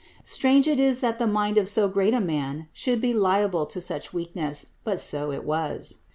Strange it is that the mind of so great a man should be liable to such weakness, but so it was.